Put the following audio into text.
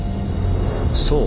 そう！